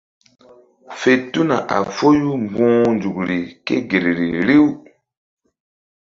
Fe tuna a foyu mbu̧h nzukri ke gel ri riw.